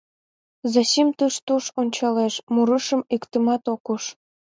Зосим тыш-туш ончалеш — мурышым иктымат ок уж.